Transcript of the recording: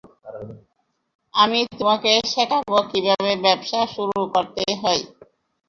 আমি তোমাকে শেখাব কিভাবে ব্যবসা শুরু করতে হয়।